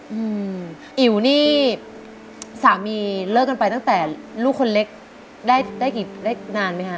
อืมอิ๋วนี่สามีเลิกกันไปตั้งแต่ลูกคนเล็กได้ได้กี่ได้นานไหมคะ